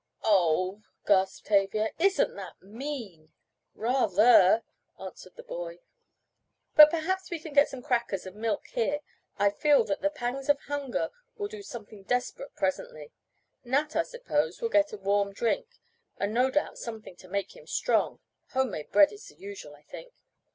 "Oh," gasped Tavia. "Isn't that mean!" "Rather," answered the boy. "But perhaps we can get some crackers and milk here. I feel that the pangs of hunger will do something desperate presently. Nat, I suppose, will get a warm drink, and no doubt something to make him strong homemade bread is the usual, I think.